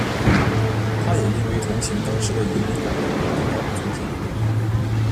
他也因为同情当时的移民工人而得到的尊敬。